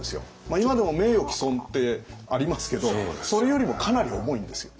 今でも名誉毀損ってありますけどそれよりもかなり重いんですよ。